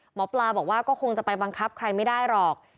หมอปลาบอกว่าก็คงจะไปบังคับใครไม่ได้หรอก